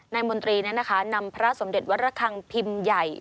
นายมนตรีนั้นนะคะนำพระสมเด็จวรรภังพิมพ์ใหญ่